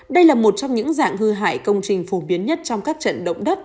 đây là một trong những dạng hư hại công trình phổ biến nhất trong các trận động đất